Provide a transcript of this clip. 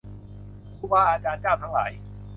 ครูบาอาจารย์เจ้าทั้งหลาย